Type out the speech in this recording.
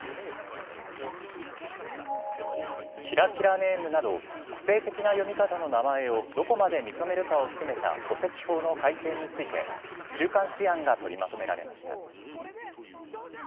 キラキラネームなど、個性的な読み方の名前をどこまで認めるかを含めた戸籍法の改正について、中間試案が取りまとめられました。